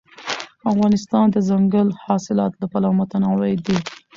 افغانستان د دځنګل حاصلات له پلوه متنوع دی.